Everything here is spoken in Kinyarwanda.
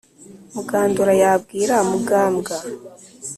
mugandura yabwira mugambwa